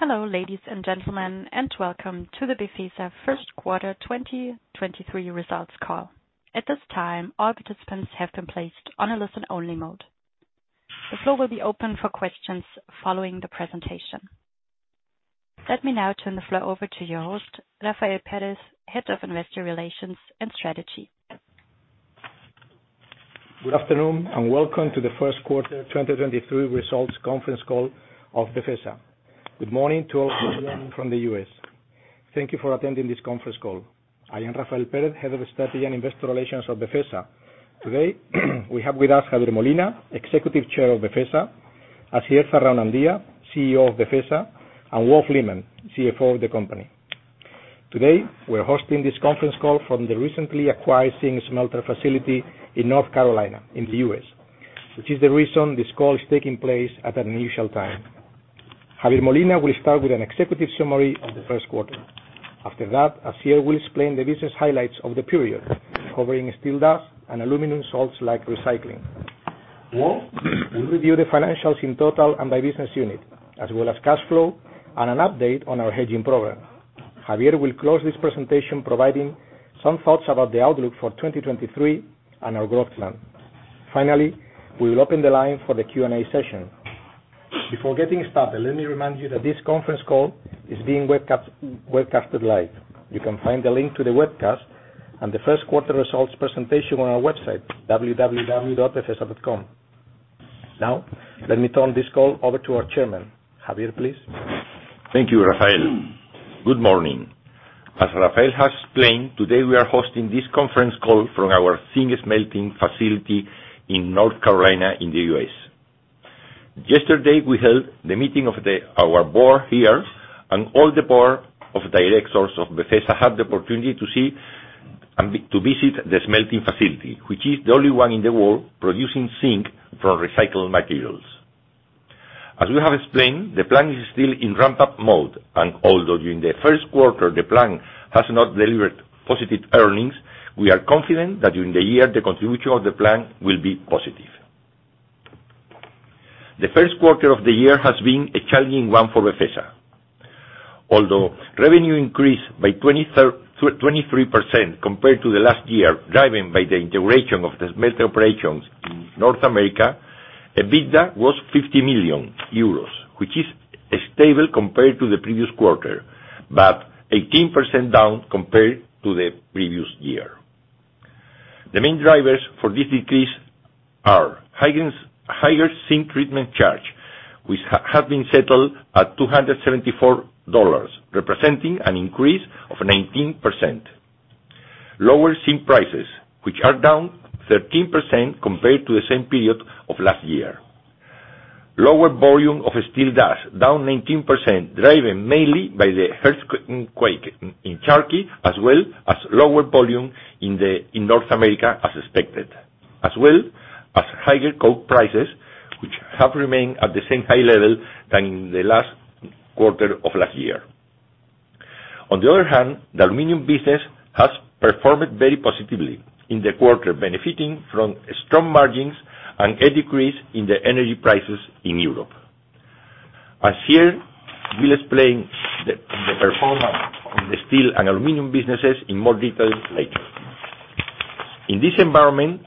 Hello, ladies and gentlemen, welcome to the Befesa first quarter 2023 results call. At this time, all participants have been placed on a listen-only mode. The floor will be open for questions following the presentation. Let me now turn the floor over to your host, Rafael Pérez, Head of Investor Relations and Strategy. Good afternoon, welcome to the first quarter 2023 results conference call of Befesa. Good morning to all from the U.S. Thank you for attending this conference call. I am Rafael Pérez, Head of Strategy and Investor Relations of Befesa. Today, we have with us Javier Molina, Executive Chair of Befesa, Asier Zarraonandia, CEO of Befesa, and Wolf Lehmann, CFO of the company. Today, we're hosting this conference call from the recently acquired zinc smelter facility in North Carolina in the U.S., which is the reason this call is taking place at an unusual time. Javier Molina will start with an executive summary of the first quarter. After that, Asier will explain the business highlights of the period, covering steel dust and aluminum salts like recycling. Wolf will review the financials in total and by business unit, as well as cash flow and an update on our hedging program. Javier will close this presentation providing some thoughts about the outlook for 2023 and our growth plan. Finally, we will open the line for the Q&A session. Before getting started, let me remind you that this conference call is being webcasted live. You can find the link to the webcast and the first quarter results presentation on our website, www.befesa.com. Now, let me turn this call over to our Chairman. Javier, please. Thank you, Rafael. Good morning. As Rafael has explained, today we are hosting this conference call from our zinc smelting facility in North Carolina in the U.S. Yesterday, we held the meeting of our board here and all the board of directors of Befesa had the opportunity to see and to visit the smelting facility, which is the only one in the world producing zinc from recycled materials. As we have explained, the plan is still in ramp-up mode, and although during the first quarter the plan has not delivered positive earnings, we are confident that during the year, the contribution of the plan will be positive. The first quarter of the year has been a challenging one for Befesa. Although revenue increased by 23% compared to the last year, driven by the integration of the smelter operations in North America, EBITDA was 50 million euros, which is stable compared to the previous quarter, but 18% down compared to the previous year. The main drivers for this decrease are higher zinc treatment charge, which have been settled at $274, representing an increase of 19%. Lower zinc prices, which are down 13% compared to the same period of last year. Lower volume of steel dust, down 19%, driven mainly by the earthquake in Turkey, as well as lower volume in North America as expected, as well as higher coke prices, which have remained at the same high level than in the last quarter of last year. On the other hand, the aluminum business has performed very positively in the quarter, benefiting from strong margins and a decrease in the energy prices in Europe. Asier will explain the performance in the steel and aluminum businesses in more detail later. In this environment,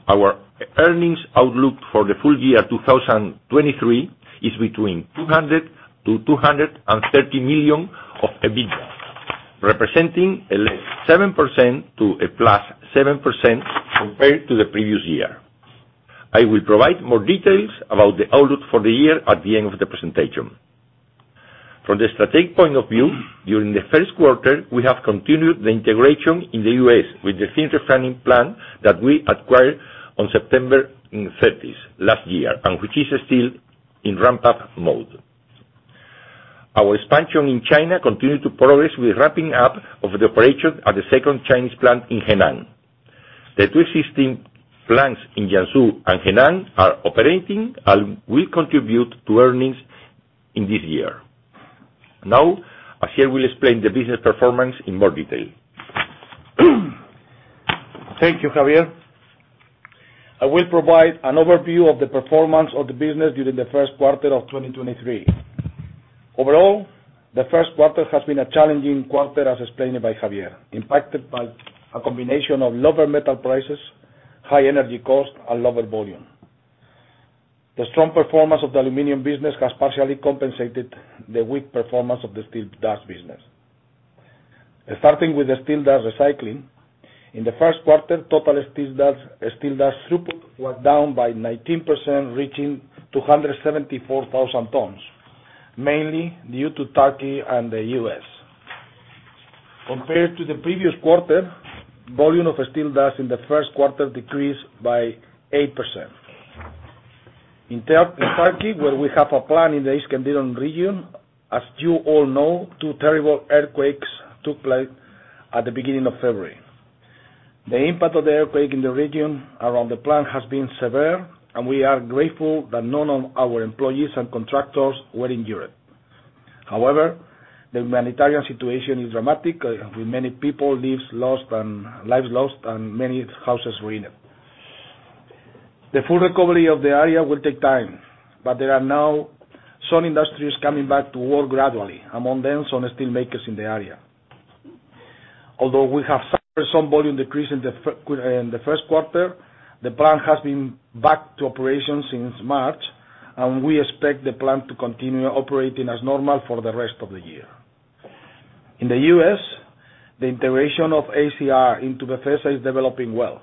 our earnings outlook for the full year 2023 is between 200 million-230 million of EBITDA, representing a -7% to a +7% compared to the previous year. I will provide more details about the outlook for the year at the end of the presentation. From the strategic point of view, during the first quarter, we have continued the integration in the US with the zinc refining plant that we acquired on September 30th last year and which is still in ramp-up mode. Our expansion in China continued to progress with ramping up of the operation at the second Chinese plant in Henan. The two existing plants in Jiangsu and Henan are operating and will contribute to earnings in this year. Asier will explain the business performance in more detail. Thank you, Javier. I will provide an overview of the performance of the business during the first quarter of 2023. Overall, the first quarter has been a challenging quarter, as explained by Javier, impacted by a combination of lower metal prices, high energy costs, and lower volume. The strong performance of the aluminum business has partially compensated the weak performance of the steel dust business. Starting with the steel dust recycling, in the first quarter, total steel dust throughput was down by 19%, reaching 274,000 tons, mainly due to Turkey and the U.S. Compared to the previous quarter, volume of steel dust in the first quarter decreased by 8%. In Turkey, where we have a plant in the Iskenderun region, as you all know, 2 terrible earthquakes took place at the beginning of February. The impact of the earthquake in the region around the plant has been severe. We are grateful that none of our employees and contractors were injured. However, the humanitarian situation is dramatic, with many people lives lost and many houses ruined. The full recovery of the area will take time. There are now some industries coming back to work gradually. Among them, some steel makers in the area. Although we have suffered some volume decrease in the first quarter, the plant has been back to operation since March. We expect the plant to continue operating as normal for the rest of the year. In the U.S., the integration of AZR into Befesa is developing well.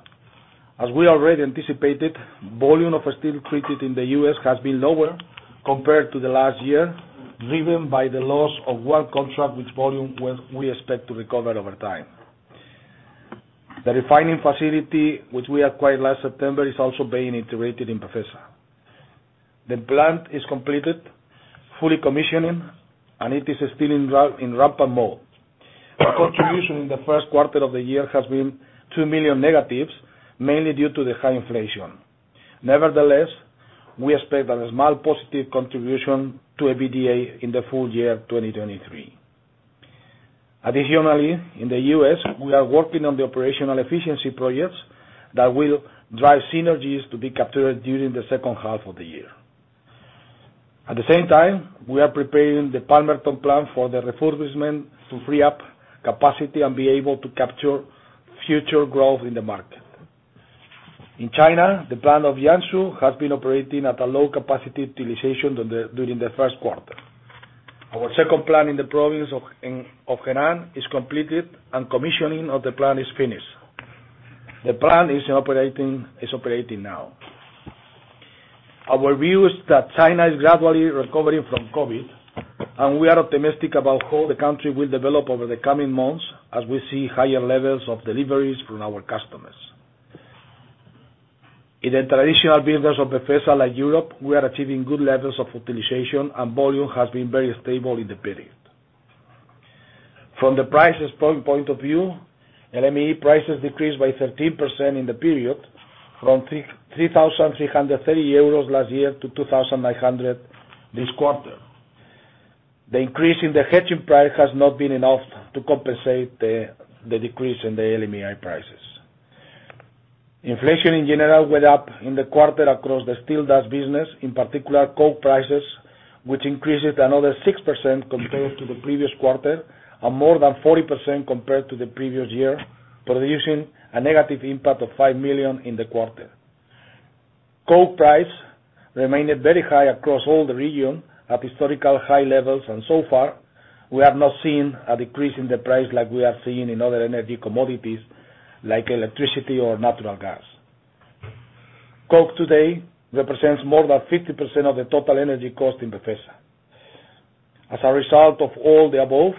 As we already anticipated, volume of steel treated in the US has been lower compared to the last year, driven by the loss of one contract which volume we expect to recover over time. The refining facility which we acquired last September is also being integrated in Befesa. The plant is completed, fully commissioning, and it is still in ramp-up mode. Our contribution in the first quarter of the year has been 2 million negatives, mainly due to the high inflation. Nevertheless, we expect a small positive contribution to EBITDA in the full year 2023. Additionally, in the US, we are working on the operational efficiency projects that will drive synergies to be captured during the second half of the year. At the same time, we are preparing the Palmerton plant for the refurbishment to free up capacity and be able to capture future growth in the market. In China, the plant of Jiangsu has been operating at a low capacity utilization during the first quarter. Our second plant in the province of, in, of Henan is completed, and commissioning of the plant is finished. The plant is operating now. Our view is that China is gradually recovering from COVID, and we are optimistic about how the country will develop over the coming months as we see higher levels of deliveries from our customers. In the traditional business of Befesa like Europe, we are achieving good levels of utilization, and volume has been very stable in the period. From the prices point of view, LME prices decreased by 13% in the period from 3,330 euros last year to 2,900 EUR this quarter. The increase in the hedging price has not been enough to compensate the decrease in the LME prices. Inflation in general went up in the quarter across the Steel Dust business, in particular coke prices, which increased another 6% compared to the previous quarter and more than 40% compared to the previous year, producing a negative impact of 5 million in the quarter. Coke price remained very high across all the region at historical high levels, and so far, we have not seen a decrease in the price like we have seen in other energy commodities like electricity or natural gas. coke today represents more than 50% of the total energy cost in Befesa. As a result of all the above,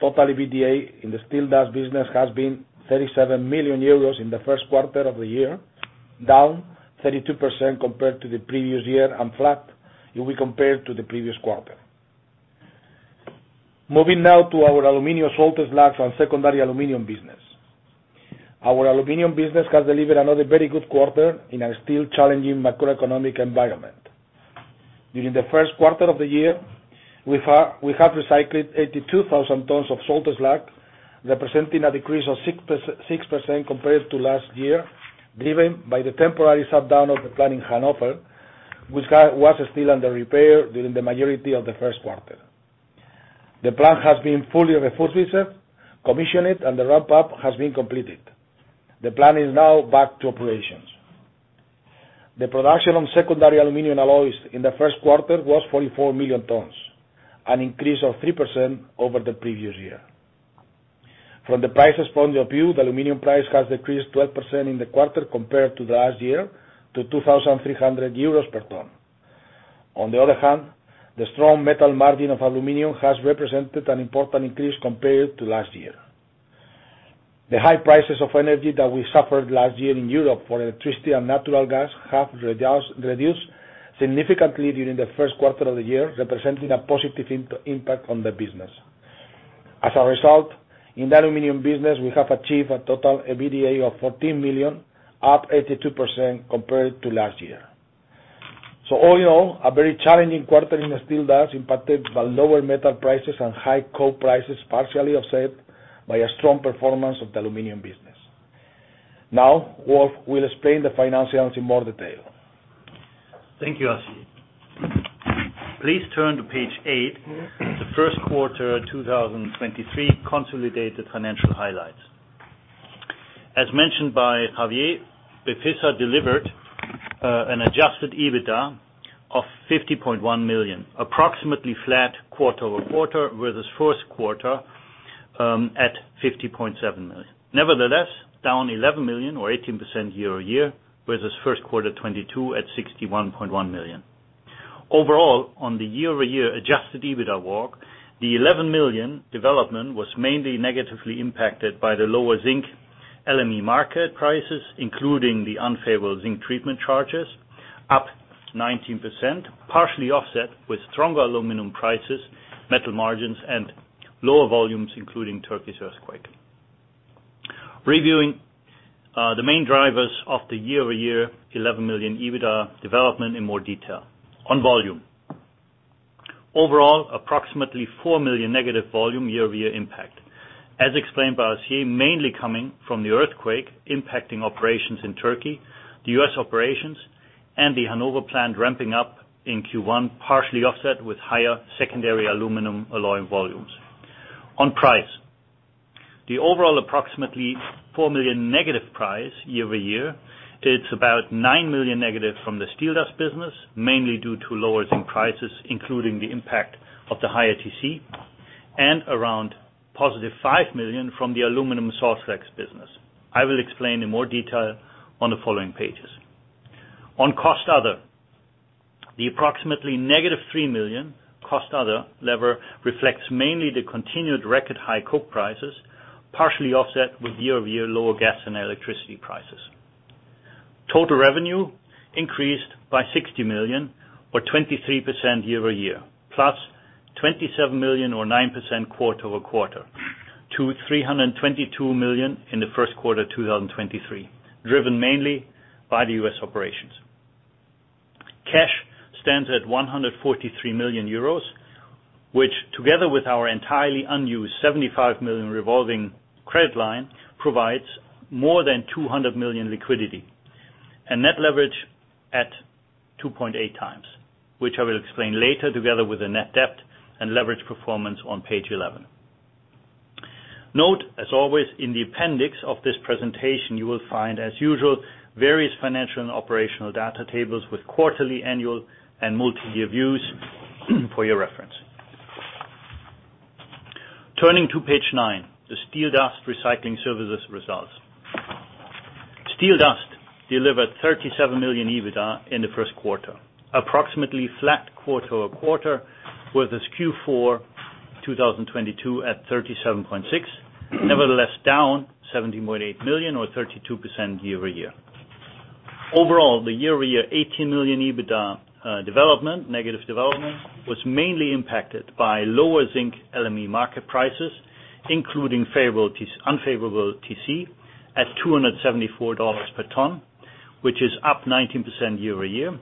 total EBITDA in the Steel Dust business has been 37 million euros in the first quarter of the year, down 32% compared to the previous year, and flat if we compare to the previous quarter. Moving now to our Aluminium Salt Slags and secondary Aluminium business. Our Aluminium business has delivered another very good quarter in a still challenging macroeconomic environment. During the first quarter of the year, we have recycled 82,000 tons of salt slag, representing a decrease of 6% compared to last year, driven by the temporary shutdown of the plant in Hanover, which was still under repair during the majority of the first quarter. The plant has been fully refurbished, commissioned, and the ramp-up has been completed. The plant is now back to operations. The production of secondary aluminium alloys in the first quarter was 44 million tons, an increase of 3% over the previous year. The aluminium price has decreased 12% in the quarter compared to last year to 2,300 euros per ton. The strong metal margin of aluminium has represented an important increase compared to last year. The high prices of energy that we suffered last year in Europe for electricity and natural gas have reduced significantly during the first quarter of the year, representing a positive impact on the business. In the aluminium business, we have achieved a total EBITDA of 14 million, up 82% compared to last year. All in all, a very challenging quarter in the steel dust impacted by lower metal prices and high coke prices, partially offset by a strong performance of the aluminium business. Wolf will explain the financials in more detail. Thank you, Asier. Please turn to page eight, the first quarter 2023 consolidated financial highlights. As mentioned by Javier, Befesa delivered an adjusted EBITDA of 50.1 million, approximately flat quarter-over-quarter, with its first quarter at 50.7 million. Nevertheless, down 11 million or 18% year-over-year, with its first quarter 2022 at 61.1 million. Overall, on the year-over-year adjusted EBITDA walk, the 11 million development was mainly negatively impacted by the lower zinc LME market prices, including the unfavorable zinc treatment charges, up 19%, partially offset with stronger aluminum prices, metal margins, and lower volumes, including Turkey's earthquake. Reviewing the main drivers of the year-over-year 11 million EBITDA development in more detail. On volume. Overall, approximately 4 million negative volume year-over-year impact. As explained by Asier Zarraonandia, mainly coming from the earthquake impacting operations in Turkey, the US operations, and the Hanover plant ramping up in Q1, partially offset with higher secondary aluminium alloy volumes. On price. The overall approximately 4 million negative price year-over-year, it's about 9 million negative from the steel dust business, mainly due to lower zinc prices, including the impact of the higher TC, and around positive 5 million from the aluminium salt slags business. I will explain in more detail on the following pages. On cost other. The approximately negative 3 million cost other lever reflects mainly the continued record high coke prices, partially offset with year-over-year lower gas and electricity prices. Total revenue increased by 60 million or 23% year-over-year, plus 27 million or 9% quarter-over-quarter to 322 million in the 1st quarter of 2023, driven mainly by the U.S. operations. Cash stands at 143 million euros, which together with our entirely unused 75 million revolving credit line, provides more than 200 million liquidity and net leverage at 2.8 times, which I will explain later together with the net debt and leverage performance on page 11. Note, as always, in the appendix of this presentation, you will find, as usual, various financial and operational data tables with quarterly, annual, and multi-year views for your reference. Turning to page nine, the steel dust recycling services results. Steel dust delivered 37 million EBITDA in the 1st quarter, approximately flat quarter-over-quarter, with this Q4 2022 at 37.6. Down 17.8 million or 32% year-over-year. The year-over-year 18 million EBITDA- development was mainly impacted by lower zinc LME market prices, including unfavorable TC at $274 per ton, which is up 19% year-over-year.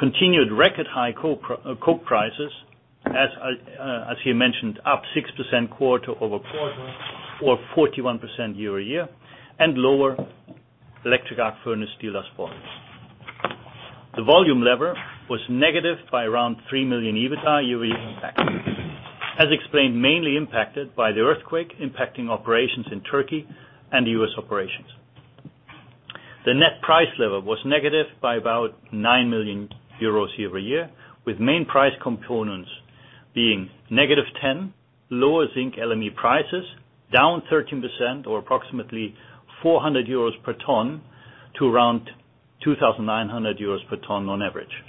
Continued record high coke prices, as he mentioned, up 6% quarter-over-quarter or 41% year-over-year, and lower electric arc furnace steel dust volumes. The volume lever was negative by around 3 million EBITDA year-over-year impact, as explained, mainly impacted by the earthquake impacting operations in Turkey and the U.S. operations. The net price lever was negative by about 9 million euros year-over-year, with main price components being -10, lower zinc LME prices down 13% or approximately 400 euros per ton to around 2,900 euros per ton on average.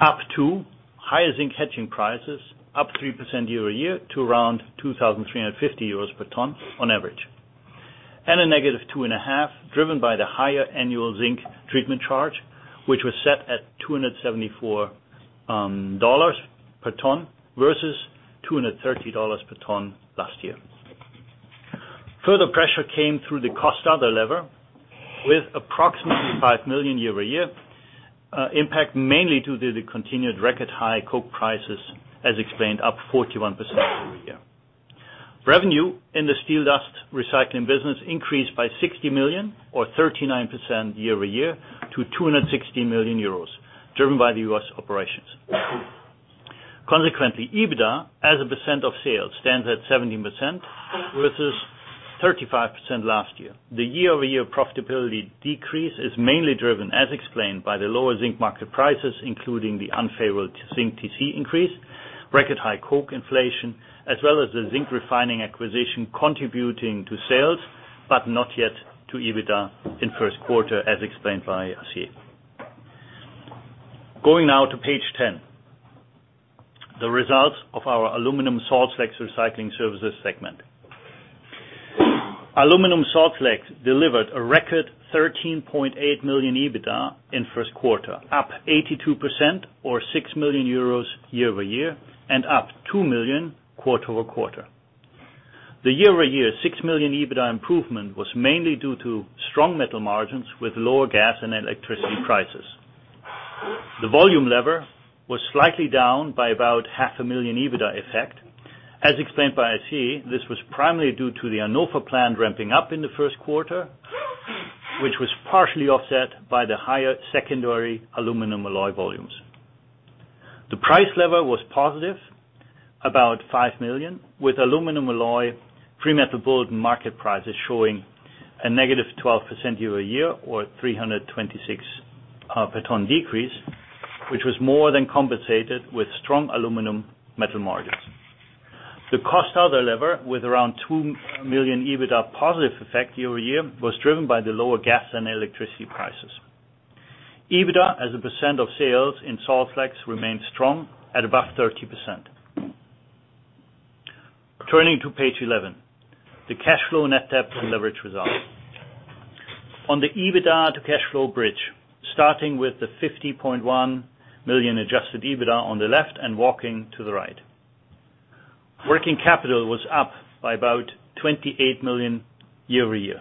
Up to higher zinc hedging prices, up 3% year-over-year to around 2,350 euros per ton on average. A -2.5, driven by the higher annual zinc treatment charge, which was set at $274 per ton versus $230 per ton last year. Further pressure came through the cost other lever with approximately 5 million euro year-over-year impact, mainly due to the continued record high coke prices, as explained, up 41% year-over-year. Revenue in the steel dust recycling business increased by 60 million or 39% year-over-year to 260 million euros, driven by the U.S. operations. Consequently, EBITDA as a % of sales stands at 17% versus 35% last year. The year-over-year profitability decrease is mainly driven, as explained, by the lower zinc market prices, including the unfavorable zinc TC increase, record high coke inflation, as well as the zinc refining acquisition contributing to sales, but not yet to EBITDA in first quarter, as explained by Asie. Going now to page 10, the results of our Aluminium Salt Slags Recycling Services segment. Aluminium Salt Slags delivered a record 13.8 million EBITDA in first quarter, up 82% or 6 million euros year-over-year and up 2 million quarter-over-quarter. The year-over-year 6 million EBITDA improvement was mainly due to strong metal margins with lower gas and electricity prices. The volume lever was slightly down by about EUR half a million EBITDA effect. As explained by Asie, this was primarily due to the Hanover plant ramping up in the first quarter, which was partially offset by the higher secondary aluminium alloy volumes. The price lever was positive, about 5 million, with aluminum alloy pre-Metal Bulletin market prices showing a -12% year-over-year or 326 per ton decrease, which was more than compensated with strong aluminum metal margins. The cost other lever with around 2 million EBITDA positive effect year-over-year was driven by the lower gas and electricity prices. EBITDA as a percent of sales in Salt Slags remains strong at above 30%. Turning to page 11, the cash flow, net debt, and leverage results. On the EBITDA to cash flow bridge, starting with the 50.1 million adjusted EBITDA on the left and walking to the right. Working capital was up by about 28 million year-over-year,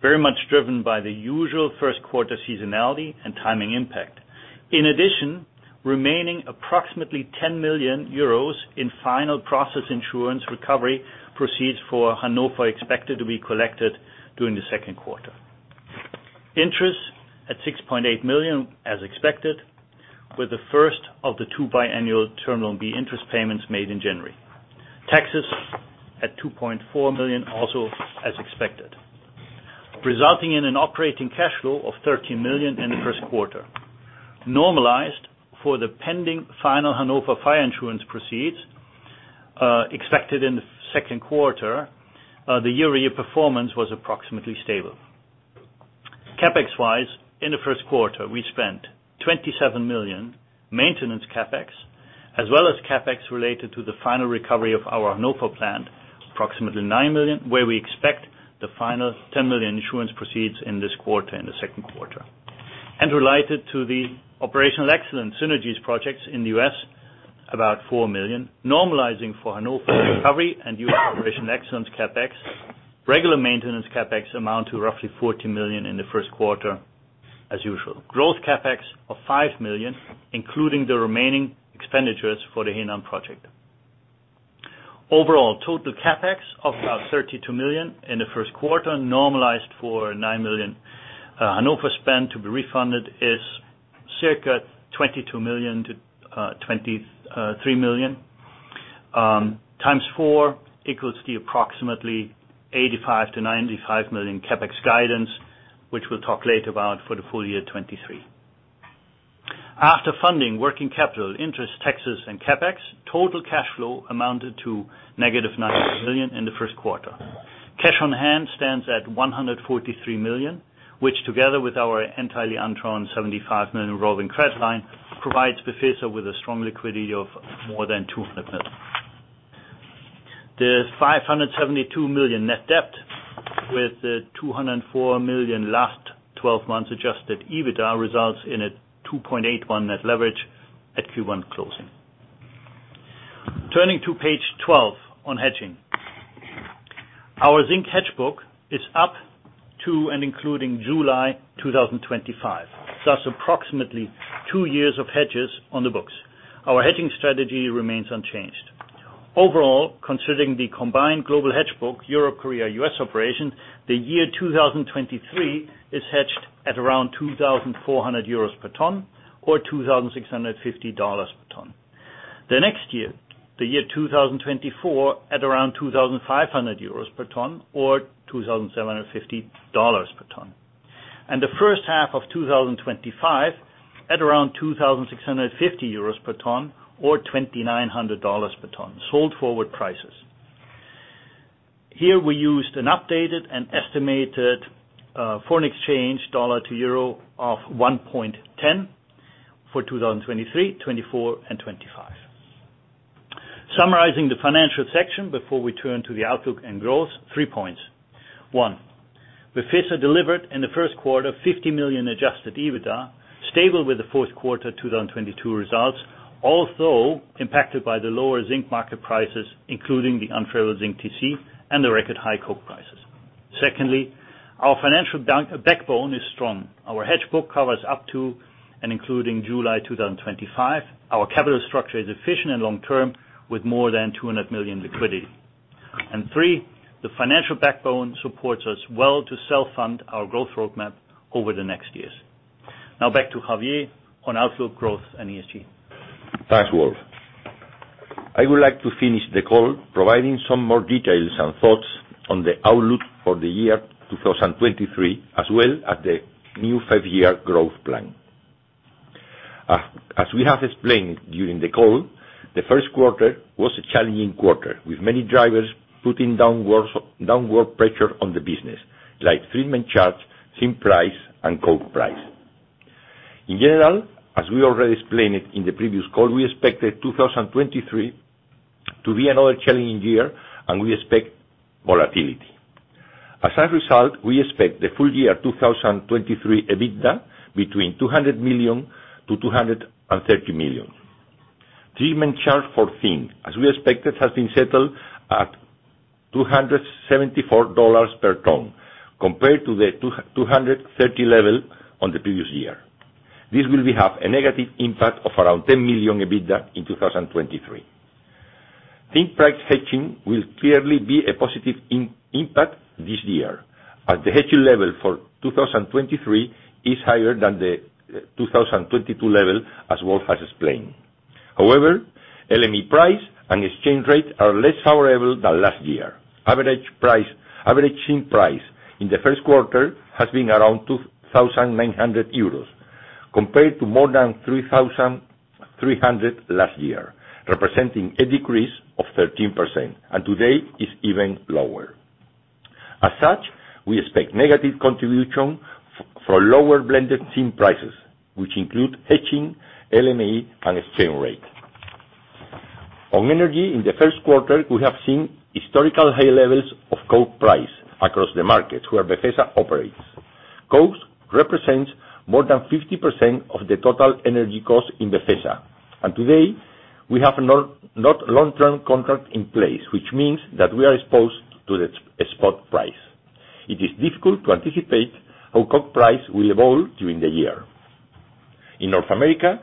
very much driven by the usual first quarter seasonality and timing impact. In addition, remaining approximately 10 million euros in final process insurance recovery proceeds for Hanover are expected to be collected during the second quarter. Interest at 6.8 million as expected, with the first of the two biannual Term Loan B interest payments made in January. Taxes at 2.4 million also as expected, resulting in an operating cash flow of 13 million in the first quarter. Normalized for the pending final Hanover fire insurance proceeds, expected in the second quarter, the year-over-year performance was approximately stable. CapEx-wise, in the first quarter, we spent 27 million maintenance CapEx as well as CapEx related to the final recovery of our Hanover plant, approximately 9 million, where we expect the final 10 million insurance proceeds in this quarter, in the second quarter. Related to the operational excellence synergies projects in the U.S., about 4 million. Normalizing for Hanover recovery and US operational excellence CapEx, regular maintenance CapEx amount to roughly 14 million in the first quarter as usual. Growth CapEx of 5 million, including the remaining expenditures for the Henan project. Overall, total CapEx of about 32 million in the first quarter, normalized for 9 million Hanover spend to be refunded is circa 22 million-23 million times four equals the approximately 85 million-95 million CapEx guidance, which we'll talk later about for the full year 2023. After funding working capital, interest, taxes, and CapEx, total cash flow amounted to -90 million in the first quarter. Cash on hand stands at 143 million, which together with our entirely undrawn 75 million revolving credit line, provides Befesa with a strong liquidity of more than 200 million. The 572 million net debt with the 204 million last 12 months adjusted EBITDA results in a 2.81 net leverage at Q1 closing. Turning to page 12 on hedging. Our zinc hedge book is up to and including July 2025. That's approximately two years of hedges on the books. Our hedging strategy remains unchanged. Overall, considering the combined global hedge book, Europe, Korea, U.S. operation, the year 2023 is hedged at around 2,400 euros per ton or $2,650 per ton. The next year, the year 2024, at around 2,500 euros per ton or $2,750 per ton. The first half of 2025 at around 2,650 euros per ton or $2,900 per ton, sold forward prices. Here we used an updated and estimated foreign exchange dollar to euro of 1.10 for 2023, 2024, and 2025. Summarizing the financial section before we turn to the outlook and growth, three points. One, Befesa delivered in the first quarter 50 million adjusted EBITDA, stable with the fourth quarter 2022 results, although impacted by the lower zinc market prices, including the unfair zinc TC and the record high coke prices. Secondly, our financial backbone is strong. Our hedge book covers up to and including July 2025. Our capital structure is efficient and long-term with more than 200 million liquidity. Three, the financial backbone supports us well to self-fund our growth roadmap over the next years. Now back to Javier on outlook, growth, and ESG. Thanks, Wolf. I would like to finish the call providing some more details and thoughts on the outlook for the year 2023, as well as the new five-year growth plan. As we have explained during the call, the first quarter was a challenging quarter with many drivers putting downward pressure on the business, like treatment charge, zinc price, and coke price. In general, as we already explained it in the previous call, we expected 2023 to be another challenging year, and we expect volatility. As a result, we expect the full year 2023 EBITDA between 200 million-230 million. Treatment charge for zinc, as we expected, has been settled at $274 per ton, compared to the 230 level on the previous year. This will have a negative impact of around 10 million EBITDA in 2023. Zinc price hedging will clearly be a positive impact this year, and the hedging level for 2023 is higher than the 2022 level, as Wolf has explained. LME price and exchange rate are less favorable than last year. Average price, average zinc price in the first quarter has been around 2,900 euros, compared to more than 3,300 last year, representing a decrease of 13%, and today is even lower. We expect negative contribution for lower blended zinc prices, which include hedging, LME, and exchange rate. On energy, in the first quarter, we have seen historical high levels of coke price across the markets where Befesa operates. Coke represents more than 50% of the total energy cost in Befesa. Today, we have not long-term contract in place, which means that we are exposed to the spot price. It is difficult to anticipate how coke price will evolve during the year. In North America,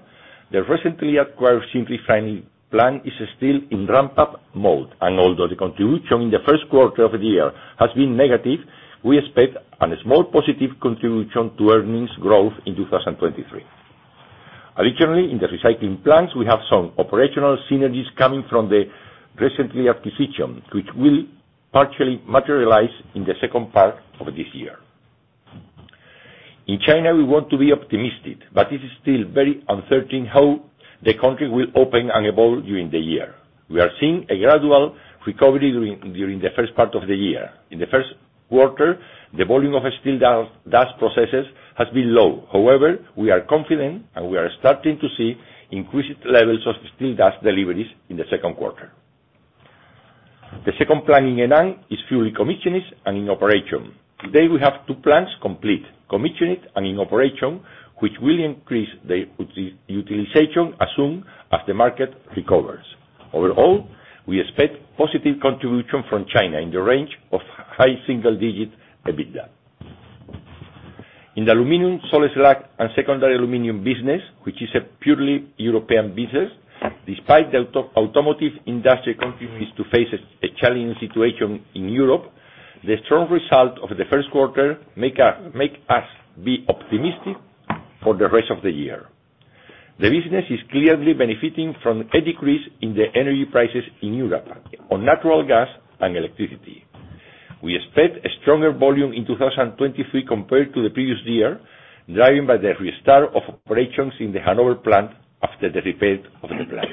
the recently acquired zinc refining plant is still in ramp-up mode. Although the contribution in the first quarter of the year has been negative, we expect an small positive contribution to earnings growth in 2023. Additionally, in the recycling plants, we have some operational synergies coming from the recently acquisition, which will partially materialize in the second part of this year. In China, we want to be optimistic, but it is still very uncertain how the country will open and evolve during the year. We are seeing a gradual recovery during the first part of the year. In the first quarter, the volume of steel dust processes has been low. We are confident, and we are starting to see increased levels of steel dust deliveries in the second quarter. The second plant in Henan is fully commissioned and in operation. We have two plants complete, commissioned, and in operation, which will increase the utilization as soon as the market recovers. We expect positive contribution from China in the range of high single-digit EBITDA. In the Aluminium Salt Slags and secondary aluminum business, which is a purely European business, despite the automotive industry continues to face a challenging situation in Europe, the strong result of the first quarter make us be optimistic for the rest of the year. The business is clearly benefiting from a decrease in the energy prices in Europe on natural gas and electricity. We expect a stronger volume in 2023 compared to the previous year, driven by the restart of operations in the Hanover plant after the repair of the plant.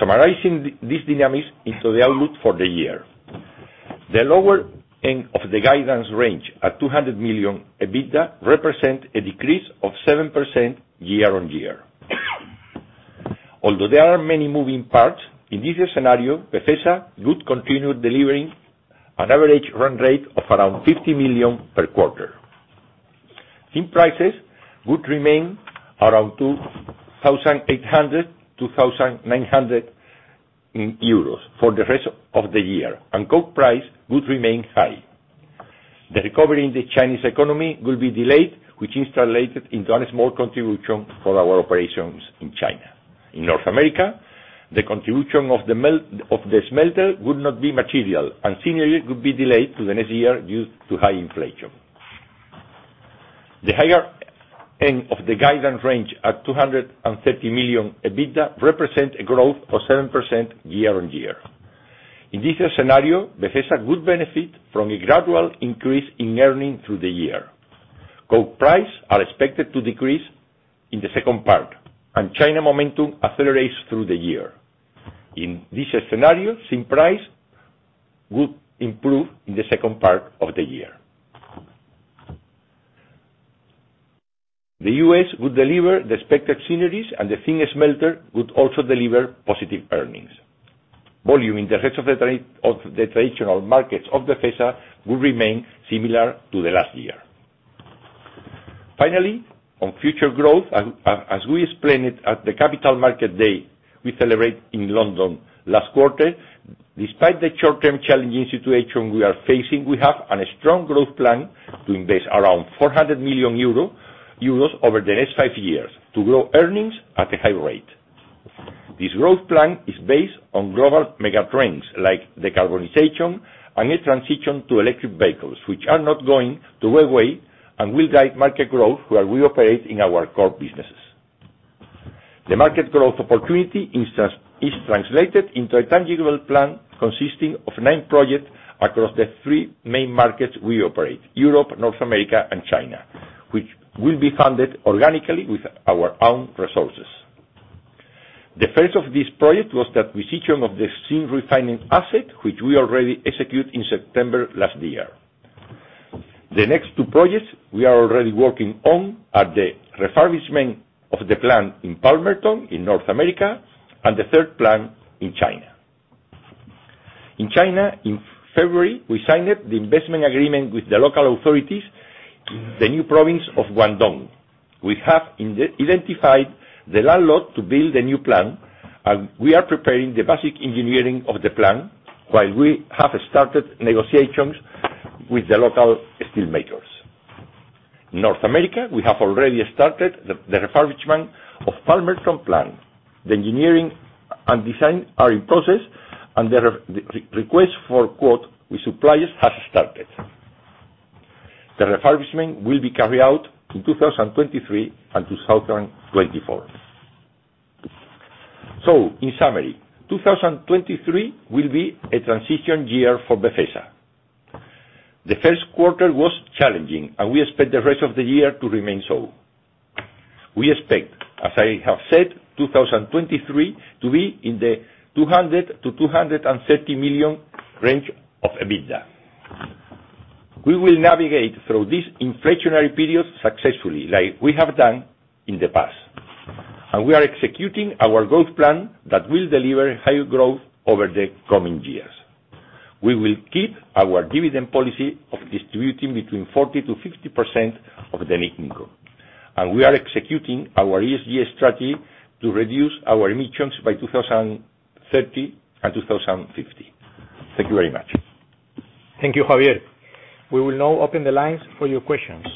Summarizing these dynamics into the outlook for the year. The lower end of the guidance range at 200 million EBITDA represent a decrease of 7% year-on-year. Although there are many moving parts, in this scenario, Befesa would continue delivering an average run rate of around 50 million per quarter. Zinc prices would remain around 2,800-2,900 euros for the rest of the year. Coke price would remain high. The recovery in the Chinese economy will be delayed, which is translated into a small contribution for our operations in China. In North America, the contribution of the smelter would not be material. Synergy would be delayed to the next year due to high inflation. The higher end of the guidance range at 230 million EBITDA represent a growth of 7% year-over-year. In this scenario, Befesa would benefit from a gradual increase in earning through the year. Coke price are expected to decrease in the second part. China momentum accelerates through the year. In this scenario, Zinc price would improve in the second part of the year. The U.S. would deliver the expected synergies, and the Zinc smelter would also deliver positive earnings. Volume in the rest of the traditional markets of Befesa will remain similar to the last year. Finally, on future growth, as we explained at the Capital Markets Day we celebrate in London last quarter, despite the short-term challenging situation we are facing, we have an strong growth plan to invest around 400 million euro over the next five years to grow earnings at a high rate. This growth plan is based on global mega trends like decarbonization and a transition to electric vehicles, which are not going to go away and will drive market growth where we operate in our core businesses. The market growth opportunity is translated into a tangible plan consisting of nine projects across the three main markets we operate, Europe, North America, and China, which will be funded organically with our own resources. The first of this project was the acquisition of the Zinc Refining asset, which we already execute in September last year. The next two projects we are already working on are the refurbishment of the plant in Palmerton in North America and the third plant in China. In China, in February, we signed the investment agreement with the local authorities in the new province of Guangdong. We have identified the land lot to build a new plant, and we are preparing the basic engineering of the plant while we have started negotiations with the local steelmakers. In North America, we have already started the refurbishment of Palmerton plant. The engineering and design are in process, the request for quote with suppliers has started. The refurbishment will be carried out in 2023 and 2024. In summary, 2023 will be a transition year for Befesa. The first quarter was challenging, and we expect the rest of the year to remain so. We expect, as I have said, 2023 to be in the 200 million-230 million range of EBITDA. We will navigate through this inflationary period successfully like we have done in the past. We are executing our growth plan that will deliver higher growth over the coming years. We will keep our dividend policy of distributing between 40%-50% of the net income. We are executing our ESG strategy to reduce our emissions by 2030 and 2050. Thank you very much. Thank you, Javier. We will now open the lines for your questions.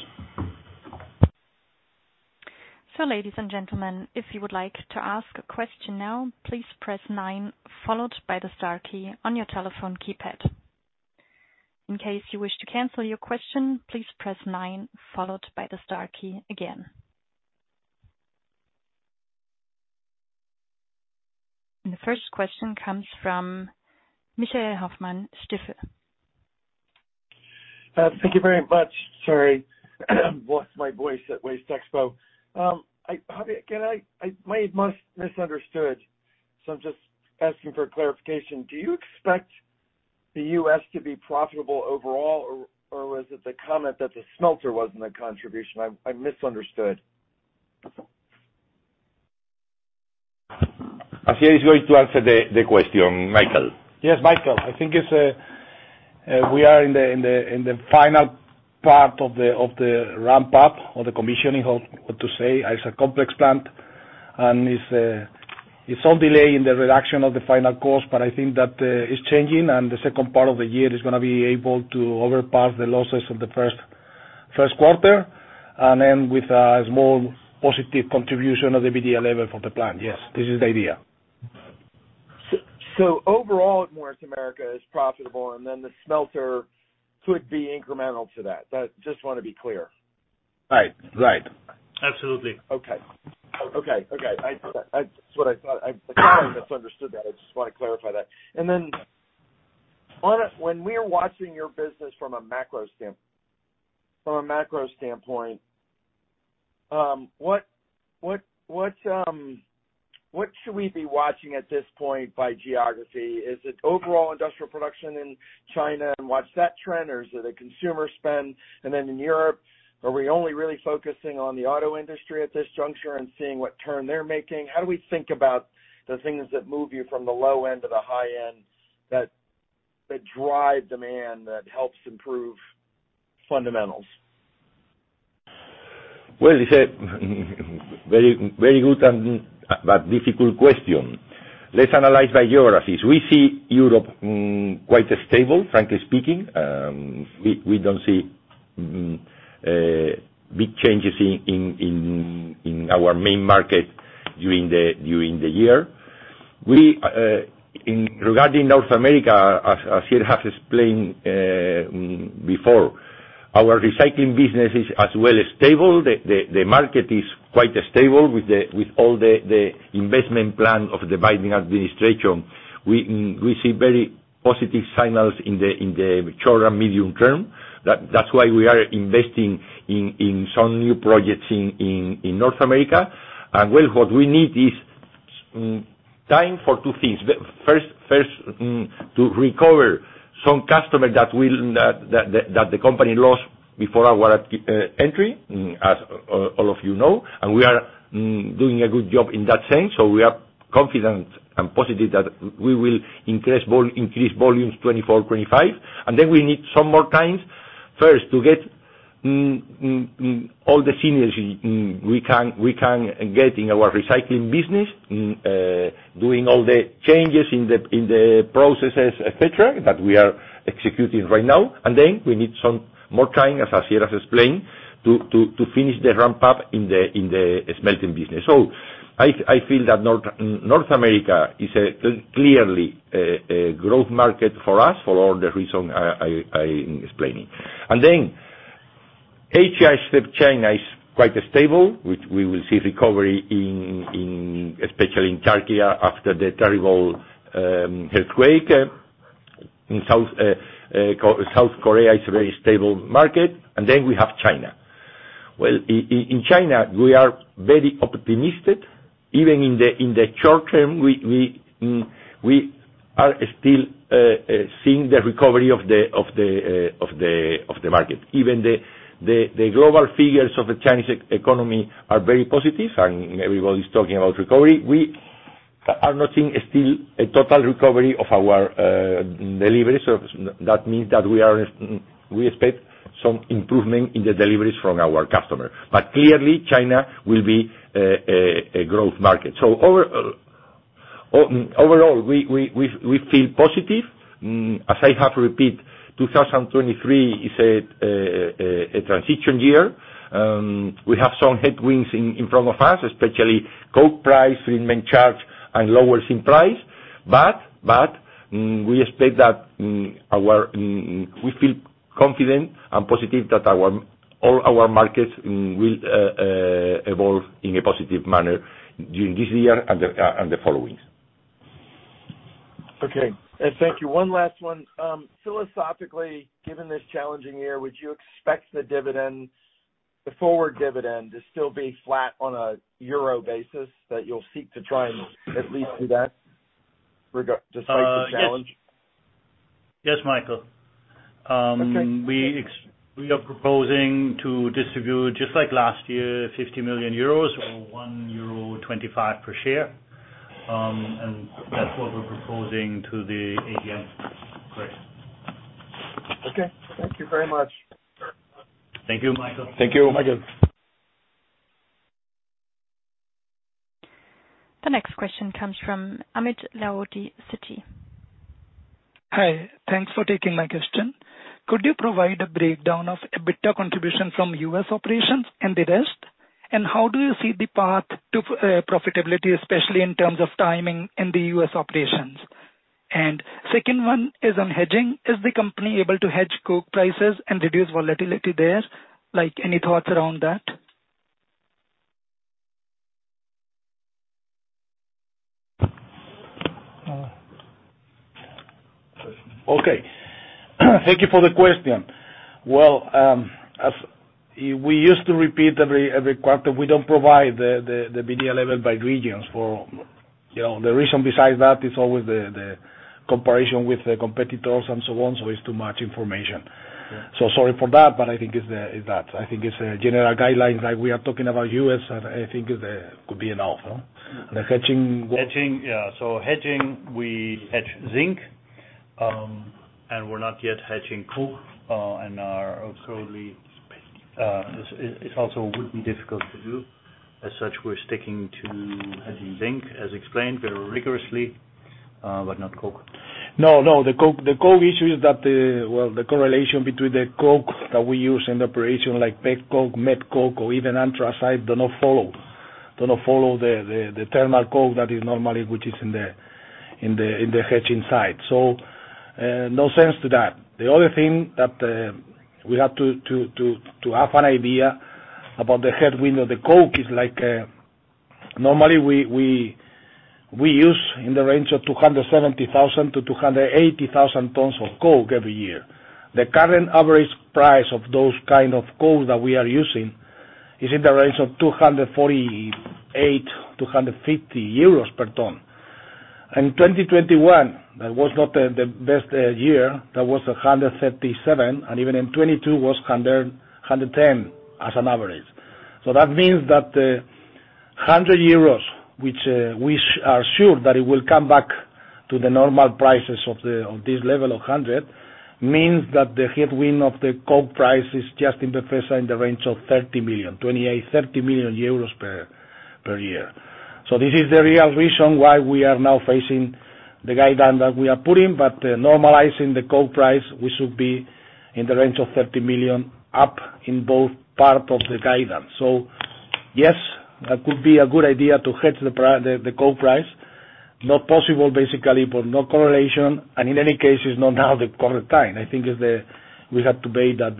Ladies and gentlemen, if you would like to ask a question now, please press 9 followed by the star key on your telephone keypad. In case you wish to cancel your question, please press 9 followed by the star key again. The first question comes from Michael Hoffman Stifel. Thank you very much. Sorry, lost my voice at WasteExpo. Javier, I might have misunderstood, so I'm just asking for clarification. Do you expect the U.S. to be profitable overall, or was it the comment that the smelter wasn't a contribution? I misunderstood. Asier is going to answer the question, Michael. Yes, Michael Hoffman. I think it's, we are in the final part of the ramp up or the commissioning, how to say. It's a complex plant, and it's all delay in the reduction of the final cost, but I think that, it's changing, and the second part of the year is gonna be able to overpass the losses of the first quarter. With a small positive contribution of the EBITDA level for the plant. Yes. This is the idea. Overall North America is profitable and then the smelter could be incremental to that. Just want to be clear. Right. Right. Absolutely. Okay. Okay. Okay. That's what I thought. I kinda misunderstood that. I just want to clarify that. Then when we are watching your business from a macro standpoint, what should we be watching at this point by geography? Is it overall industrial production in China and watch that trend, or is it a consumer spend? Then in Europe, are we only really focusing on the auto industry at this juncture and seeing what turn they're making? How do we think about the things that move you from the low end to the high end that drive demand that helps improve fundamentals? Well, it's a very, very good and, but difficult question. Let's analyze by geographies. We see Europe, quite stable, frankly speaking. We don't see big changes in our main market during the year. We, in regarding North America, as Asier has explained before, our recycling business is as well stable. The market is quite stable with all the investment plan of the Biden administration. We see very positive signals in the short and medium term. That's why we are investing in some new projects in North America. Well, what we need is time for two things. First, to recover some customer that the company lost before our entry, as all of you know, and we are doing a good job in that sense. We are confident and positive that we will increase volumes 24, 25. We need some more times, first, to get all the synergy we can get in our recycling business, doing all the changes in the processes, etcetera, that we are executing right now. We need some more time, as Asier has explained, to finish the ramp up in the smelting business. I feel that North America is a clearly a growth market for us for all the reason I'm explaining. Asia, except China, is quite stable, which we will see recovery especially in Turkey after the terrible earthquake. South Korea is a very stable market. We have China. In China, we are very optimistic. In the short term, we are still seeing the recovery of the market. The global figures of the Chinese economy are very positive and everybody's talking about recovery. We are not seeing still a total recovery of our deliveries. We expect some improvement in the deliveries from our customer. Clearly, China will be a growth market. Overall, we feel positive. As I have to repeat, 2023 is a transition year. We have some headwinds in front of us, especially coke price, treatment charge, and lower zinc price. We expect that our, we feel confident and positive that our, all our markets will evolve in a positive manner during this year and the and the followings. Okay. Thank you. One last one. Philosophically, given this challenging year, would you expect the dividend, the forward dividend to still be flat on a EUR basis, that you'll seek to try and at least do that regard despite the challenge? Yes, Michael. We are proposing to distribute just like last year, 50 million euros or 1.25 euro per share. That's what we're proposing to the AGM. Great. Okay. Thank you very much. Thank you, Michael. Thank you, Michael. The next question comes from Amit Lahoti, Citi. Hi. Thanks for taking my question. Could you provide a breakdown of EBITDA contribution from U.S. operations and the rest? How do you see the path to profitability, especially in terms of timing in the U.S. operations? Second one is on hedging. Is the company able to hedge coke prices and reduce volatility there? Like, any thoughts around that? Thank you for the question. As we used to repeat every quarter, we don't provide the EBITDA level by regions for. The reason besides that is always the comparison with the competitors and so on, so it's too much information. Sorry for that, I think it's that. I think it's a general guidelines that we are talking about U.S., and I think it could be enough, no? Hedging. Yeah. Hedging, we hedge zinc, and we're not yet hedging coke, and are currently, it also would be difficult to do. As such, we're sticking to hedging zinc as explained very rigorously, but not coke. No, no. The coke issue is that the... Well, the correlation between the coke that we use in the operation like petcoke, met coke or even anthracite, do not follow the thermal coke that is normally, which is in the hedging side. No sense to that. The other thing that we have to have an idea about the headwind of the coke is like, normally we use in the range of 270,000-280,000 tons of coke every year. The current average price of those kind of coke that we are using is in the range of 248, 200 EUR per ton. In 2021, that was not the best year. That was 137, and even in 2022 was 110 as an average. That means that the 100 euros which, we are sure that it will come back to the normal prices of the, of this level of 100, means that the headwind of the coke price is just in the price in the range of 30 million, 28, 30 million euros per year. This is the real reason why we are now facing the guidance that we are putting. Normalizing the coke price, we should be in the range of 30 million up in both part of the guidance. Yes, that could be a good idea to hedge the coke price. Not possible, basically, but no correlation. In any case, it's not now the current time. I think it's the... We have to wait that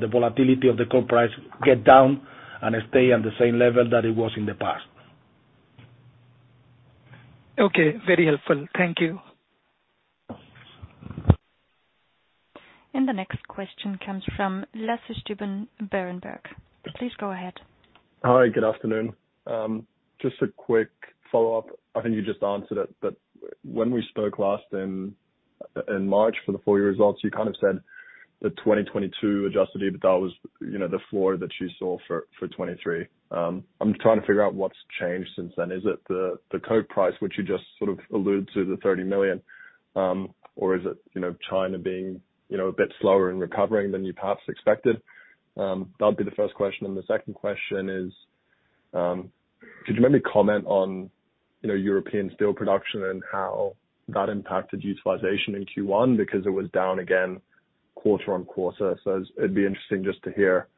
the volatility of the coke price get down and stay on the same level that it was in the past. Okay. Very helpful. Thank you. The next question comes from Lasse Stüben, Berenberg. Please go ahead. Hi. Good afternoon. Just a quick follow-up. I think you just answered it, but when we spoke last in March for the full year results, you kind of said that 2022 adjusted EBITDA was, you know, the floor that you saw for 2023. I'm trying to figure out what's changed since then. Is it the coke price, which you just sort of alluded to, the 30 million, or is it, you know, China being, you know, a bit slower in recovering than you perhaps expected? That'd be the first question. The second question is, could you maybe comment on, you know, European steel production and how that impacted utilization in Q1 because it was down again quarter-on-quarter. It'd be interesting just to hear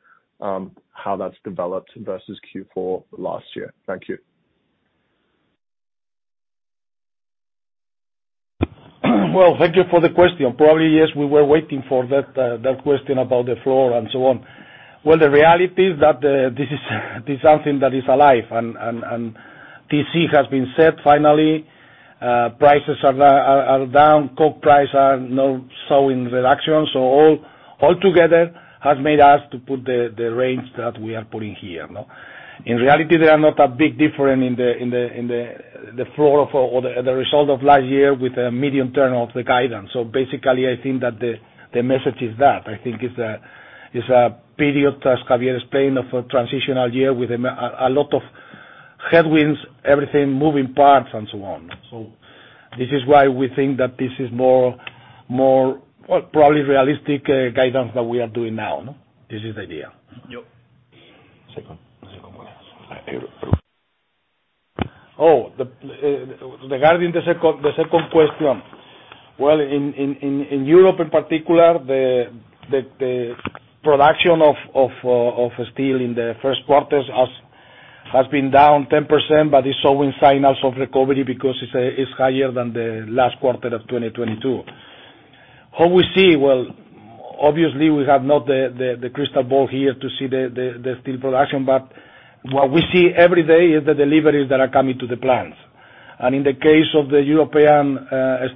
how that's developed versus Q4 last year. Thank you. Well, thank you for the question. Probably, yes, we were waiting for that question about the floor and so on. Well, the reality is that, this is, this is something that is alive and, and TC has been set finally. Prices are, are down. coke price are now showing reduction. All, all together has made us to put the range that we are putting here, no? In reality, they are not a big difference in the, in the, in the floor for... or the result of last year with a medium turn of the guidance. Basically I think that the message is that. I think it's a, it's a period, as Javier explained, of a transitional year with a lot of headwinds, everything moving parts and so on. This is why we think that this is more, well, probably realistic guidance that we are doing now, no? This is the idea. Yep. Regarding the second question. In Europe in particular, the production of steel in the first quarters has been down 10% but is showing signals of recovery because it's higher than the last quarter of 2022. How we see? Obviously we have not the crystal ball here to see the steel production, but what we see every day is the deliveries that are coming to the plants. In the case of the European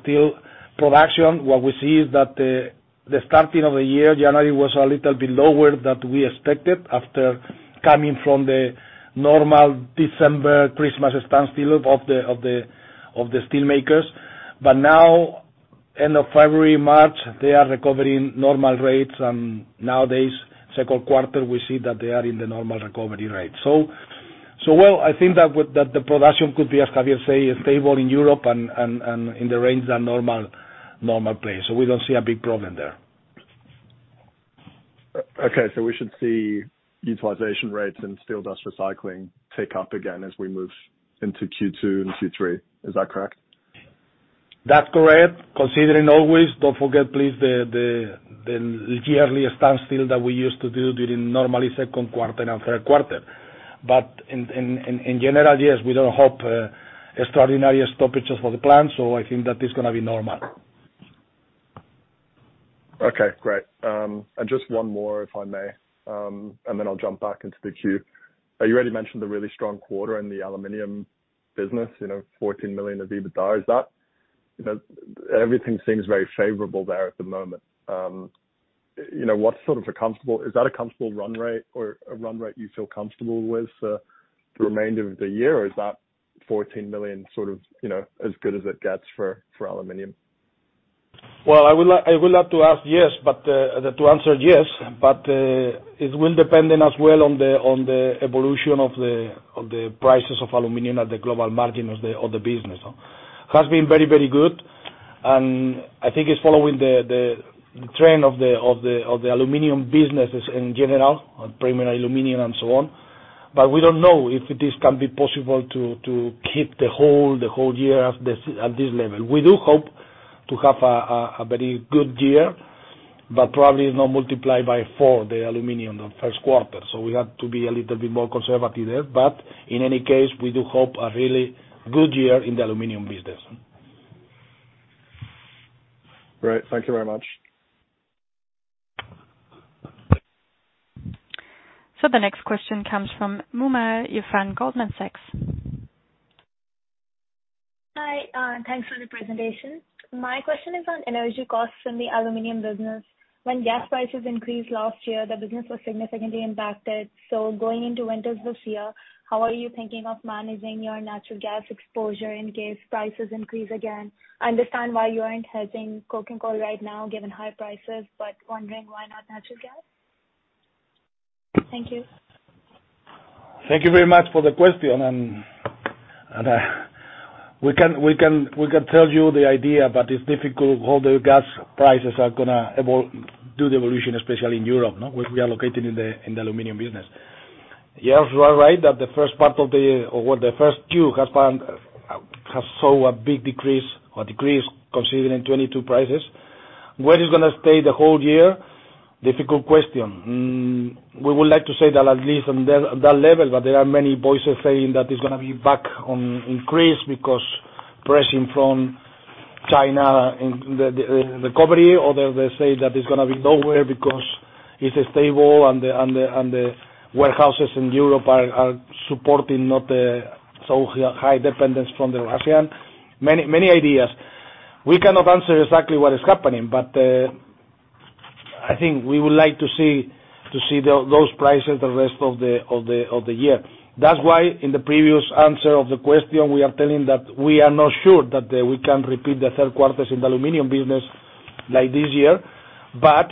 steel production, what we see is that the starting of the year, January, was a little bit lower than we expected after coming from the normal December Christmas standstill of the steel makers. End of February, March, they are recovering normal rates. nowadays, second quarter, we see that they are in the normal recovery rate. Well, I think that the production could be, as Javier say, stable in Europe and in the range than normal place. We don't see a big problem there. Okay. We should see utilization rates and steel dust recycling tick up again as we move into Q2 and Q3. Is that correct? That's correct. Considering always, don't forget, please, the yearly standstill that we used to do during normally second quarter and third quarter. In general, yes, we don't hope extraordinary stoppages for the plant. I think that is gonna be normal. Okay, great. Just one more, if I may, then I'll jump back into the queue. You already mentioned the really strong quarter in the aluminum business, you know, 14 million of EBITDA. Is that, you know, everything seems very favorable there at the moment? You know, what's sort of a comfortable run rate or a run rate you feel comfortable with for the remainder of the year? Is that 14 million sort of, you know, as good as it gets for aluminum? Well, I would like to ask yes, but, to answer yes, but, it will dependent as well on the evolution of the prices of aluminum at the global margin of the business. Has been very, very good, and I think it's following the trend of the aluminum businesses in general, primary aluminum and so on. We don't know if this can be possible to keep the whole year at this level. We do hope to have a very good year, but probably not multiply by 4 the aluminum the first quarter. We have to be a little bit more conservative there. In any case, we do hope a really good year in the aluminum business. Great. Thank you very much. The next question comes from Moomal Irfan, Goldman Sachs. Hi. Thanks for the presentation. My question is on energy costs in the aluminum business. When gas prices increased last year, the business was significantly impacted. Going into winters this year, how are you thinking of managing your natural gas exposure in case prices increase again? I understand why you aren't hedging coke and coal right now, given high prices, but wondering why not natural gas. Thank you. Thank you very much for the question. We can tell you the idea, but it's difficult how the gas prices are gonna evolve, especially in Europe, where we are located in the, in the aluminum business. Yes, you are right that the first part of the year or what the first two have saw a big decrease or decrease considering 22 prices. Where it's gonna stay the whole year, difficult question. We would like to say that at least on that level, but there are many voices saying that it's gonna be back on increase because pressing from China and the recovery. Others they say that it's gonna be lower because it's stable and the warehouses in Europe are supporting not so high dependence from the Russian. Many, many ideas. We cannot answer exactly what is happening, but I think we would like to see those prices the rest of the year. That's why in the previous answer of the question, we are telling that we are not sure that we can repeat the 3rd quarters in the aluminum business like this year.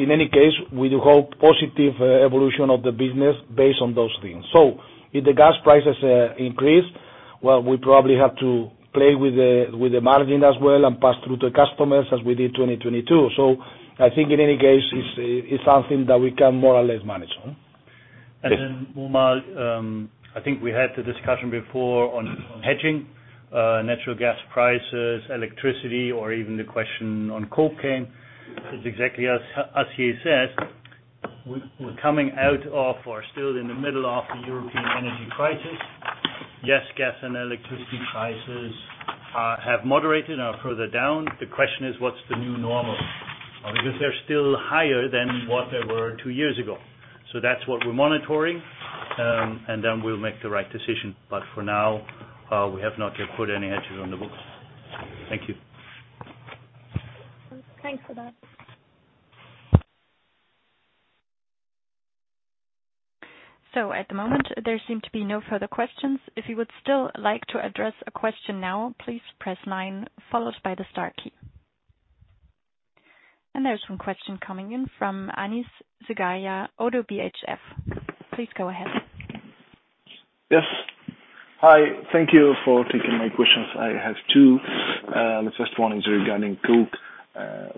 In any case, we do hope positive evolution of the business based on those things. If the gas prices increase, well, we probably have to play with the, with the margin as well and pass through to customers as we did 2022. I think in any case, it's something that we can more or less manage. Muma, I think we had the discussion before on hedging natural gas prices, electricity or even the question on coke. It's exactly as he said, we're coming out of or still in the middle of the European energy crisis. Yes, gas and electricity prices have moderated are further down. The question is what's the new normal? Because they're still higher than what they were two years ago. That's what we're monitoring, and then we'll make the right decision. For now, we have not yet put any hedges on the books. Thank you. Thanks for that. At the moment, there seem to be no further questions. If you would still like to address a question now, please press 9 followed by the star key. There's 1 question coming in from Anis Zgaya, ODDO BHF. Please go ahead. Yes. Hi. Thank you for taking my questions. I have two. The first one is regarding coke.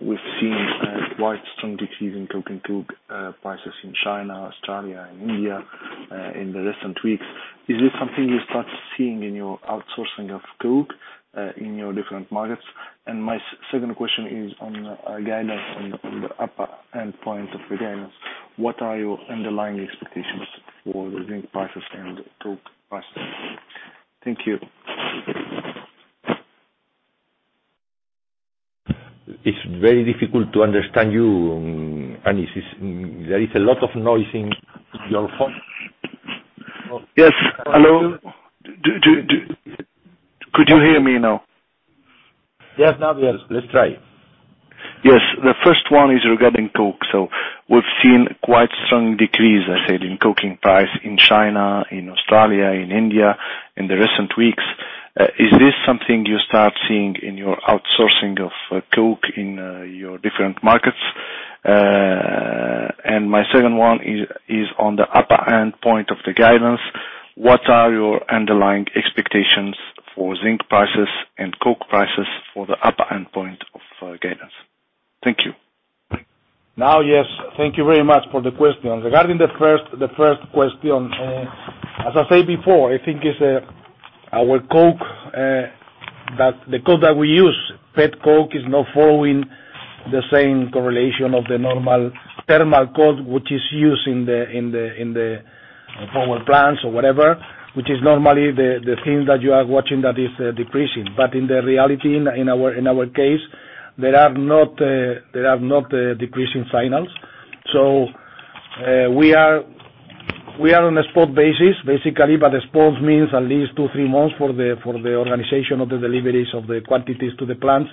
We've seen a quite strong decrease in coke and coke prices in China, Australia and India in the recent weeks. Is this something you start seeing in your outsourcing of coke in your different markets? My second question is on guidance, on the upper endpoint of the guidance. What are your underlying expectations for the zinc prices and coke prices? Thank you. It's very difficult to understand you, Anis. There is a lot of noise in your phone. Yes. Hello. Could you hear me now? Yes. Now, yes. Let's try. Yes. The first one is regarding coke. We've seen quite strong decrease, I said, in coking price in China, in Australia, in India, in the recent weeks. Is this something you start seeing in your outsourcing of coke in your different markets? My second one is on the upper endpoint of the guidance. What are your underlying expectations for zinc prices and coke prices for the upper endpoint of guidance? Thank you. Now, yes, thank you very much for the question. Regarding the first question, as I said before, I think it's our coke, the coke that we use, petcoke, is not following the same correlation of the normal thermal coke, which is used in the, in the, in the power plants or whatever, which is normally the thing that you are watching that is decreasing. In the reality in our case, there are not decreasing signals. We are on a spot basis, basically, but the spots means at least 2, 3 months for the organization of the deliveries of the quantities to the plants.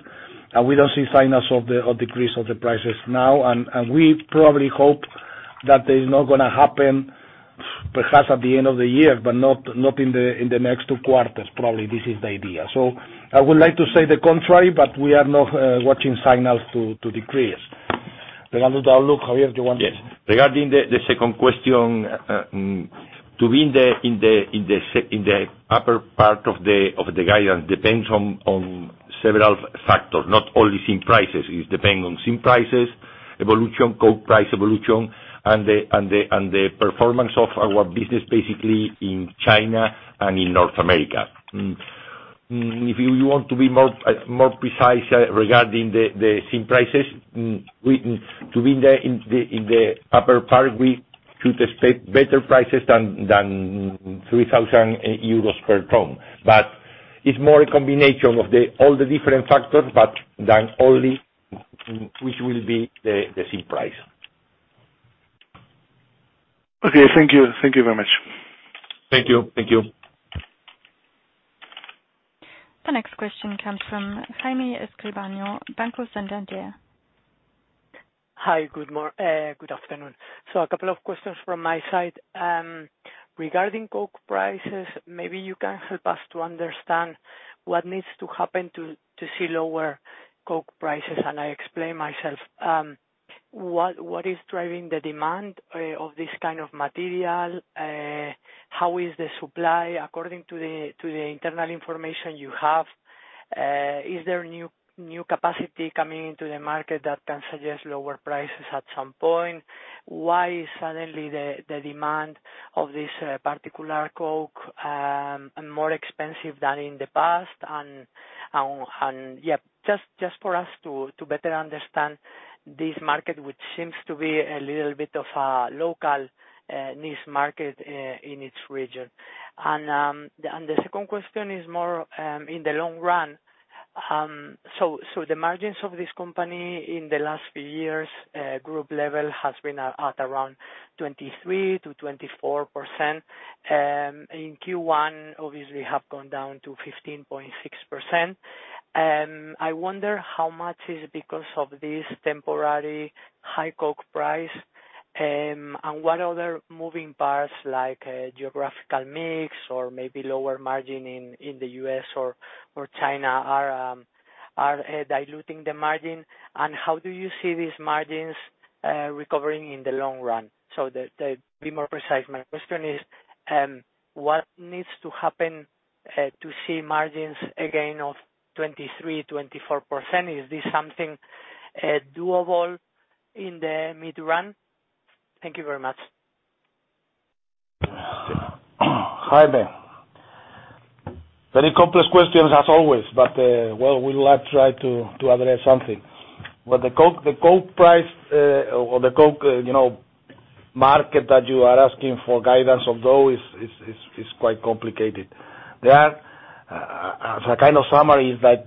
We don't see signals of the decrease of the prices now. We probably hope that is not gonna happen perhaps at the end of the year, but not in the next two quarters, probably. This is the idea. I would like to say the contrary, but we are not watching signals to decrease. Regarding the outlook, Javier, do you want to- Yes. Regarding the second question, to be in the upper part of the guidance depends on several factors, not only zinc prices. It depend on zinc prices, evolution, coke price evolution, and the performance of our business, basically in China and in North America. If you want to be more precise, regarding the zinc prices, to be in the upper part, we should expect better prices than 3,000 euros per ton. It's more a combination of all the different factors than only which will be the zinc price. Okay. Thank you. Thank you very much. Thank you. Thank you. The next question comes from Jaime Escribano, Banco Santander. Hi. Good afternoon. A couple of questions from my side. Regarding coke prices, maybe you can help us to understand what needs to happen to see lower coke prices, and I explain myself. What is driving the demand of this kind of material? How is the supply according to the internal information you have? Is there new capacity coming into the market that can suggest lower prices at some point? Why suddenly the demand of this particular coke are more expensive than in the past? Yeah, just for us to better understand this market, which seems to be a little bit of a local niche market in its region. The second question is more in the long run. The margins of this company in the last few years, group level has been at around 23%-24%. In Q1 obviously have gone down to 15.6%. I wonder how much is because of this temporary high coke price, and what other moving parts like geographical mix or maybe lower margin in the US or China are diluting the margin, and how do you see these margins recovering in the long run? Be more precise, my question is, what needs to happen to see margins again of 23%, 24%? Is this something doable in the mid run? Thank you very much. Hi there. Very complex questions as always, but well, we will try to address something. The coke price, or the coke, you know, market that you are asking for guidance of those is quite complicated. There are, as a kind of summary is that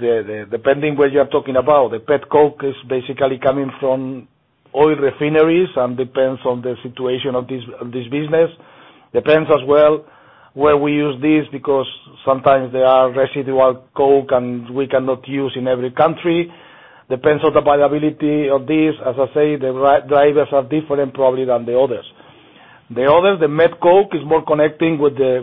depending where you are talking about, the petcoke is basically coming from oil refineries and depends on the situation of this business. Depends as well where we use these because sometimes they are residual coke and we cannot use in every country. Depends on the availability of these. As I say, the drivers are different probably than the others. The others, the met coke is more connecting with the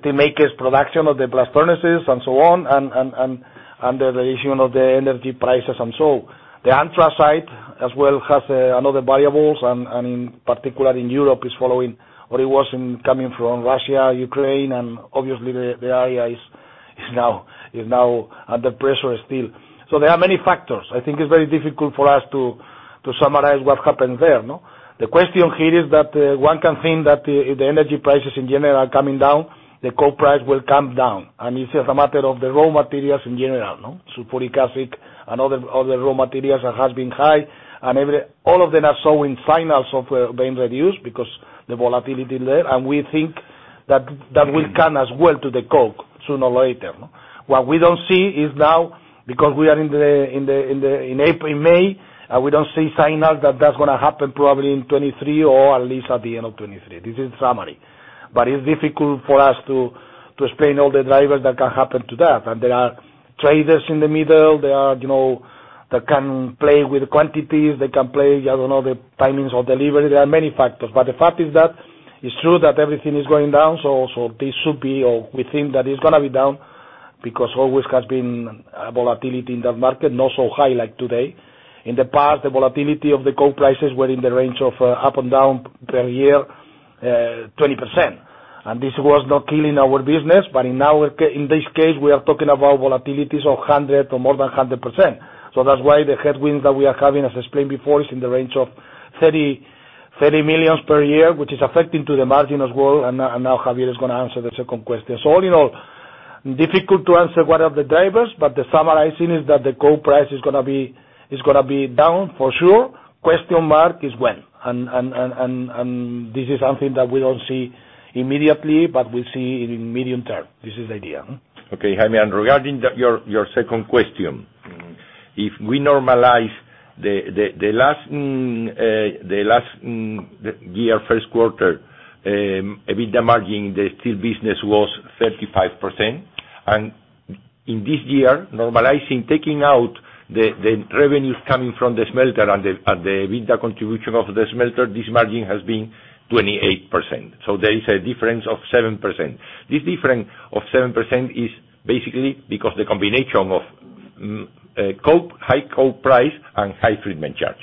steel makers production of the blast furnaces and so on and the variation of the energy prices. The anthracite as well has another variables and in particular in Europe is following what it was in coming from Russia, Ukraine, and obviously the area is now under pressure still. There are many factors. I think it's very difficult for us to summarize what happened there, no? The question here is that one can think that if the energy prices in general are coming down, the coke price will come down. It's just a matter of the raw materials in general, no? Sulfuric acid and other raw materials that has been high and all of them are showing signals of being reduced because the volatility there. We think that that will come as well to the coke sooner or later, no? What we don't see is now, because we are in May, we don't see signals that that's gonna happen probably in 2023 or at least at the end of 2023. This is summary. It's difficult for us to explain all the drivers that can happen to that. There are traders in the middle, there are, you know, that can play with quantities, they can play, I don't know, the timings of delivery. There are many factors. The fact is that it's true that everything is going down, so this should be, or we think that it's gonna be down because always has been volatility in that market, not so high like today. In the past, the volatility of the coal prices were in the range of up and down per year, 20%. This was not killing our business. In this case, we are talking about volatilities of 100% or more than 100%. That's why the headwinds that we are having, as explained before, is in the range of 30 million per year, which is affecting to the margin as well. Now, Javier is gonna answer the second question. All in all, difficult to answer what are the drivers, but the summarizing is that the coal price is gonna be down for sure. Question mark is when. This is something that we don't see immediately, but we see it in medium term. This is the idea. Okay, Jaime. Regarding your second question. If we normalize the last the year first quarter, EBITDA margin, the steel business was 35%. In this year, normalizing, taking out the revenues coming from the smelter and the EBITDA contribution of the smelter, this margin has been 28%. There is a difference of 7%. This difference of 7% is basically because the combination of coke, high coke price and high treatment charge.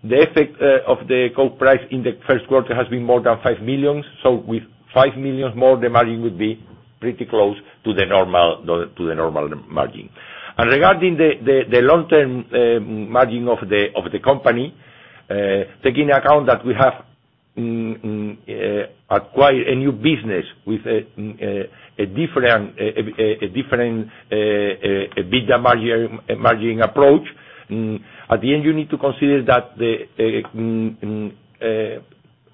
The effect of the coke price in the first quarter has been more than 5 million. With 5 million more, the margin would be pretty close to the normal, no, to the normal margin. Regarding the long-term margin of the company, taking account that we have acquired a new business with a different EBITDA margin, margining approach. At the end, you need to consider that the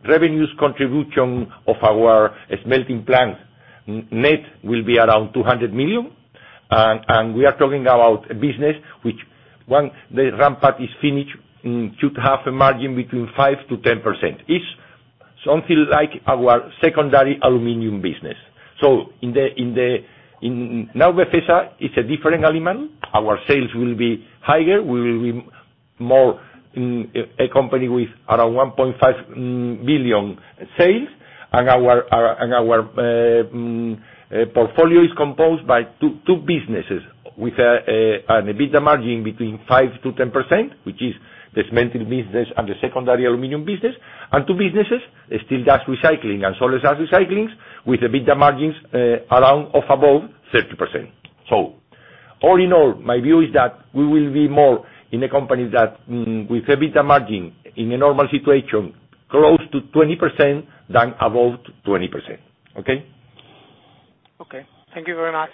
revenues contribution of our smelting plant net will be around 200 million. We are talking about a business which, once the ramp-up is finished, should have a margin between 5%-10%. It's something like our secondary aluminum business. Now Befesa is a different animal. Our sales will be higher. We will be more a company with around 1.5 billion sales. Our portfolio is composed by two businesses with an EBITDA margin between 5%-10%, which is the smelting business and the secondary aluminum business. Two businesses, steel dust recycling and solar dust recyclings, with EBITDA margins around of above 30%. All in all, my view is that we will be more in a company that with EBITDA margin in a normal situation, close to 20% than above 20%. Okay? Okay. Thank you very much.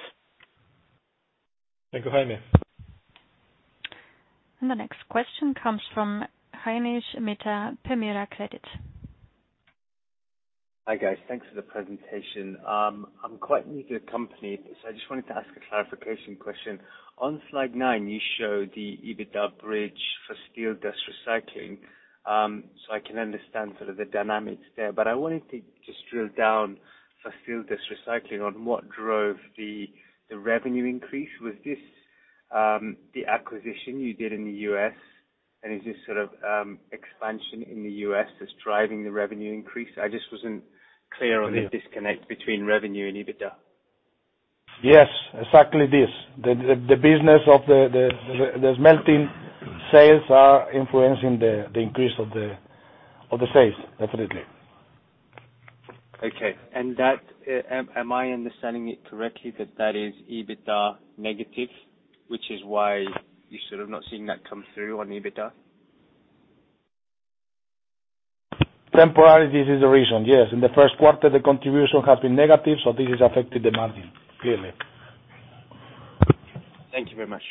Thank you, Jaime. The next question comes from Jainesh Mehta, Permira Credit. Hi, guys. Thanks for the presentation. I'm quite new to the company, so I just wanted to ask a clarification question. On slide 9, you show the EBITDA bridge for steel dust recycling, so I can understand sort of the dynamics there. I wanted to just drill down for steel dust recycling on what drove the revenue increase. Was this the acquisition you did in the US, and is this sort of expansion in the US that's driving the revenue increase? I just wasn't clear on the disconnect between revenue and EBITDA. Yes, exactly this. The business of the smelting sales are influencing the increase of the sales, definitely. Okay. That, am I understanding it correctly that that is EBITDA-, which is why you're sort of not seeing that come through on EBITDA? Temporarily, this is the reason, yes. In the first quarter, the contribution has been negative, so this has affected the margin, clearly. Thank you very much.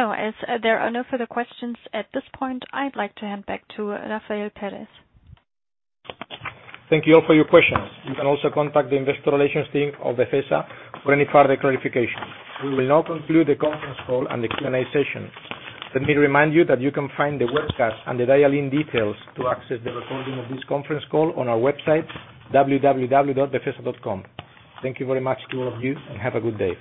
As there are no further questions at this point, I'd like to hand back to Rafael Pérez Thank you all for your questions. You can also contact the investor relations team of Befesa for any further clarification. We will now conclude the conference call and the Q&A session. Let me remind you that you can find the webcast and the dial-in details to access the recording of this conference call on our website, www.befesa.com. Thank you very much to all of you, and have a good day.